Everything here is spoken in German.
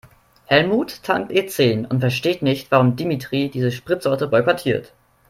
Helmut tankt E-zehn und versteht nicht, warum Dimitri diese Spritsorte boykottiert.